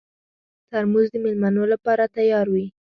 ترموز د مېلمنو لپاره تیار وي.